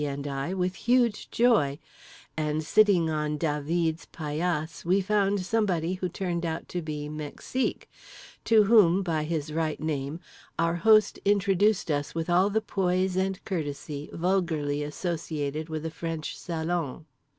and I, with huge joy; and sitting on Dah veed's paillasse we found somebody who turned out to be Mexique—to whom, by his right name, our host introduced us with all the poise and courtesy vulgarly associated with a French salon.